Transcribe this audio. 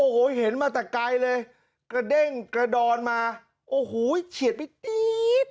โอ้โหเห็นมาแต่ไกลเลยกระเด้งกระดอนมาโอ้โหเฉียดไปตี๊ด